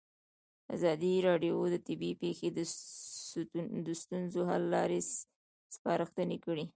ازادي راډیو د طبیعي پېښې د ستونزو حل لارې سپارښتنې کړي.